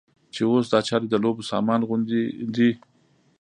چې اوس دا چارې د لوبو سامان غوندې دي.